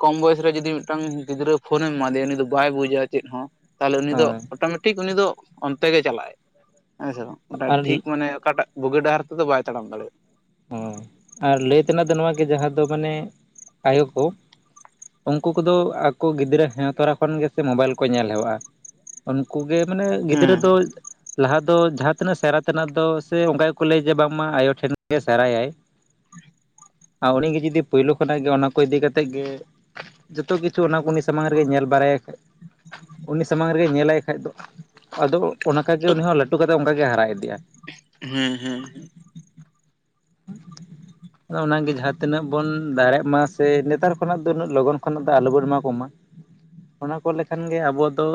ᱠᱚᱢ ᱵᱚᱭᱮᱥ ᱨᱮ ᱡᱩᱫᱤ ᱢᱤᱫᱴᱟᱝ ᱜᱤᱫᱽᱨᱟᱹ ᱯᱷᱳᱱᱮᱢ ᱮᱢᱟᱫᱮᱭᱟ ᱩᱱᱤ ᱫᱚ ᱵᱟᱭ ᱵᱩᱡᱟ ᱪᱮᱫ ᱦᱚᱸ᱾ ᱛᱟᱦᱚᱞᱮ ᱩᱱᱤ ᱫᱚ ᱦᱳᱭ ᱚᱴᱳᱢᱮᱴᱤᱠ ᱩᱱᱤ ᱫᱚ ᱚᱱᱛᱮ ᱜᱮ ᱪᱟᱞᱟᱜ ᱟᱭ ᱦᱮᱸ ᱥᱮ ᱵᱟᱝ ᱟᱨ ᱴᱷᱤᱠ ᱦᱳᱭ ᱢᱟᱱᱮ ᱚᱠᱟᱴᱟᱜ᱾ ᱵᱳᱜᱮ ᱰᱟᱦᱟᱨ ᱛᱮ ᱫᱚ ᱵᱟᱭ ᱛᱟᱲᱚᱢ ᱫᱟᱲᱮᱭᱟᱜ᱾ ᱦᱳᱸᱭ ᱟᱨ ᱞᱮᱭ ᱛᱮᱱᱟᱜ ᱫᱚ ᱱᱚᱣᱟ ᱜᱮ ᱡᱟᱦᱟᱸ ᱫᱚ ᱢᱟᱱᱮ ᱟᱭᱳ ᱠᱚ᱾ ᱩᱱᱠᱩ ᱠᱚᱫᱚ ᱟᱠᱚ ᱜᱤᱫᱽᱨᱟᱹ ᱦᱮᱸᱣ ᱛᱚᱨᱟ ᱠᱷᱚᱱ ᱜᱮᱥᱮ ᱢᱳᱵᱟᱭᱤᱞ ᱠᱚ ᱧᱮᱞ ᱦᱮᱣᱚᱜᱼᱟ᱾ ᱩᱱᱠᱩ ᱜᱮ ᱢᱟᱱᱮ ᱜᱤᱫᱽᱨᱟᱹ ᱦᱮᱸ ᱫᱚ᱾ ᱞᱟᱦᱟ ᱫᱚ ᱡᱟᱦᱟᱸ ᱛᱤᱱᱟᱹᱜ ᱥᱮᱨᱟ ᱛᱮᱱᱟᱜ ᱫᱚ ᱥᱮ ᱚᱱᱠᱟ ᱜᱮᱠᱚ ᱞᱟᱹᱭᱟ ᱡᱮ ᱵᱟᱝᱢᱟ ᱟᱭᱳ ᱴᱷᱮᱱ ᱜᱮ ᱥᱮᱨᱟᱭᱟᱭ᱾ [inaudible] ᱟᱨ ᱩᱱᱤ ᱜᱮ ᱡᱩᱫᱤ ᱯᱳᱭᱞᱳ ᱠᱷᱚᱱᱟᱜ ᱜᱮ ᱚᱱᱟ ᱠᱚ ᱤᱫᱤ ᱠᱟᱛᱮᱮᱫ ᱜᱮ᱾ ᱡᱚᱛᱚ ᱠᱤᱪᱷᱩ ᱚᱱᱟ ᱩᱱᱤ ᱥᱟᱢᱟᱝ ᱨᱮᱜᱮ ᱧᱮᱞ ᱵᱟᱨᱟᱭᱟᱭ ᱠᱷᱟᱡ ᱩᱱᱤ ᱥᱟᱢᱟᱝ ᱨᱮᱜᱮ ᱧᱮᱞᱟᱭ ᱠᱷᱟᱡ ᱫᱚ ᱟᱫᱚ ᱚᱱᱟᱠᱟᱜᱮ, ᱩᱱᱤ ᱦᱚᱸ ᱞᱟᱹᱴᱩ ᱠᱟᱛᱮᱫ ᱚᱱᱠᱟᱜᱮ ᱦᱟᱨᱟ ᱤᱫᱤᱜᱼᱟ᱾ ᱦᱮᱸ ᱦᱮᱸ᱾ [inaudible] ᱟᱫᱚ ᱚᱱᱟᱜᱮ ᱡᱟᱦᱟᱸ ᱛᱤᱱᱟᱹᱜ ᱵᱚᱱ ᱫᱟᱲᱮᱜ ᱢᱟ ᱥᱮ ᱱᱮᱛᱟᱨ ᱠᱷᱚᱱᱟᱜ ᱫᱚ ᱩᱱᱟᱹᱜ ᱞᱚᱜᱚᱱ ᱠᱷᱚᱱᱟᱜ ᱫᱚ ᱟᱞᱚ ᱵᱚᱱ ᱮᱢᱟ ᱠᱚᱢᱟ᱾ ᱚᱱᱟ ᱠᱚ ᱞᱮᱠᱷᱟᱱ ᱜᱮ ᱟᱵᱚᱣᱟᱜ ᱫᱚ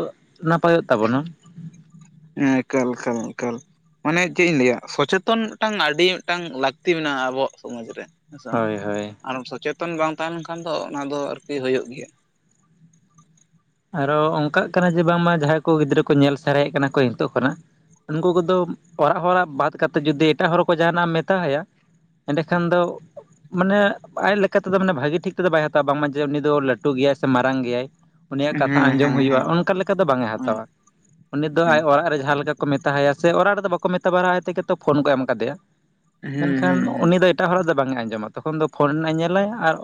ᱱᱟᱯᱟᱭᱚᱜ ᱛᱟᱵᱚᱱᱟ᱾ ᱦᱮᱸ ᱮᱠᱟᱞ ᱮᱠᱟᱞ ᱮᱠᱟᱞ ᱢᱟᱱᱮ ᱪᱮᱫ ᱤᱧ ᱞᱟᱹᱭᱟ ᱥᱚᱪᱮᱛᱚᱱ ᱢᱤᱫᱴᱟᱝ ᱟᱹᱰᱤ ᱢᱤᱫᱴᱟᱝ ᱞᱟᱹᱠᱛᱤ ᱢᱮᱱᱟᱜᱼᱟ᱾ ᱟᱵᱚᱣᱟᱜ ᱥᱚᱢᱟᱡᱽ ᱨᱮ ᱦᱮᱸ ᱥᱮ ᱵᱟᱝ ᱦᱳᱭ ᱦᱳᱭ ᱟᱨ ᱥᱚᱪᱮᱛᱚᱱ ᱵᱟᱝ ᱛᱟᱦᱮᱸ ᱞᱮᱱᱠᱷᱟᱱ ᱫᱚ ᱚᱱᱟ ᱫᱚ ᱟᱨᱠᱤ ᱦᱳᱭᱳᱜ ᱜᱮᱭᱟ᱾ ᱟᱨᱚ ᱚᱱᱠᱟᱜ ᱠᱟᱱᱟ ᱡᱮ ᱵᱟᱝᱢᱟ ᱡᱟᱦᱟᱸᱭ ᱠᱚ ᱜᱤᱫᱽᱨᱟᱹ ᱠᱚ ᱧᱮᱞ ᱥᱮᱨᱟᱭᱮᱫ ᱠᱟᱱᱟ ᱠᱚ ᱦᱤᱸᱛᱚᱜ ᱠᱷᱚᱱᱟᱜ᱾ ᱩᱱᱠᱩ ᱠᱚᱫᱚ ᱚᱲᱟᱜ ᱦᱚᱲᱟᱜ ᱵᱟᱫ ᱠᱟᱛᱮᱮᱫ ᱡᱩᱫᱤ ᱮᱴᱟᱜ ᱦᱚᱲ ᱠᱚ ᱡᱟᱦᱟᱱᱟᱜ ᱮᱢ ᱢᱮᱛᱟ ᱟᱭᱟ᱾ ᱮᱸᱰᱮᱠᱷᱟᱱ ᱫᱚ᱾ ᱢᱟᱱᱮ ᱟᱡ ᱞᱮᱠᱟᱛᱮᱫᱚ ᱢᱟᱱᱮ ᱵᱷᱟᱜᱤ ᱴᱷᱤᱠ ᱛᱮᱫᱚ ᱵᱟᱭ ᱦᱟᱛᱟᱣᱟ ᱵᱟᱝᱢᱟ ᱡᱮ ᱩᱱᱤ ᱫᱚ ᱞᱟᱹᱴᱩ ᱜᱮᱭᱟᱭ ᱥᱮ ᱢᱟᱨᱟᱝ ᱜᱮᱭᱟᱭ᱾ ᱩᱱᱤᱭᱟᱜ ᱠᱟᱛᱷᱟ ᱦᱮᱸ ᱦᱮᱸ ᱟᱸᱡᱚᱢ ᱦᱮᱸ ᱦᱩᱭᱩᱜᱼᱟ ᱦᱮᱸ ᱚᱱᱠᱟ ᱞᱮᱠᱟ ᱫᱚ ᱵᱟᱝ ᱮ ᱦᱟᱛᱟᱣᱟ᱾ ᱩᱱᱤ ᱫᱚᱚ ᱦᱮᱸ ᱟᱡ ᱚᱲᱟᱜ ᱨᱮ ᱡᱟᱦᱟᱸ ᱞᱮᱠᱟ ᱠᱚ ᱢᱮᱛᱟ ᱟᱭᱟ ᱥᱮ ᱚᱲᱟᱜ ᱨᱮᱫᱚ ᱵᱟᱠᱚ ᱢᱮᱛᱟ ᱵᱟᱨᱟ ᱟᱭᱛᱮᱜᱮᱛᱚ ᱯᱷᱳᱱ ᱠᱚ ᱮᱢ ᱠᱟᱫᱮᱭᱟ᱾ [inaudible] ᱢᱮᱱᱠᱷᱟᱱ ᱦᱩᱸ ᱦᱩᱸ ᱩᱱᱤ ᱫᱚ ᱮᱴᱟᱜ ᱦᱚᱲᱟᱜ ᱫᱚ ᱵᱟᱝ ᱮ ᱟᱸᱡᱚᱢᱟ ᱛᱚᱠᱷᱚᱱ ᱫᱚ ᱯᱷᱳᱱ ᱨᱮᱱᱟᱜ ᱮ ᱧᱮᱞᱟᱭ ᱟᱨ᱾